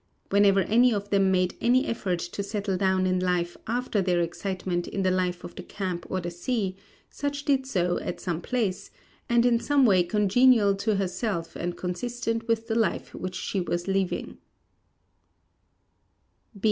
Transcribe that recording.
Whenever any of them made any effort to settle down in life after their excitement in the life of the camp or the sea, such did so at some place, and in some way congenial to herself and consistent with the life which she was leaving.